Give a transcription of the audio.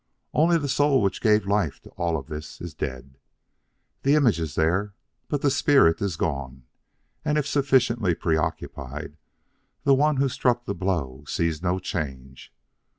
Only the soul which gave life to all of this is dead. The image is there but the spirit is gone; and if sufficiently preoccupied, the one who struck the blow sees no change.